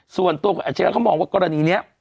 ส่วนต้องแอบเชื้อเขามองว่ากรณีเนี่ย